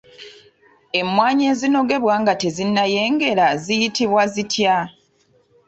Emmwanyi ezinogebwa nga tezinnayengera ziyitibwa zitya?